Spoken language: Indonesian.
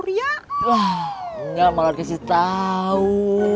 ya ngak malah kasih tau